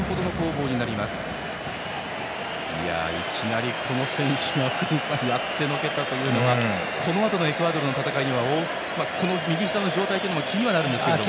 福西さん、いきなりこの選手がやってのけたというのはこのあとのエクアドルの戦いには右ひざの状態も気にはなるんですけれども。